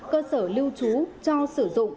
cơ sở lưu trú cho sử dụng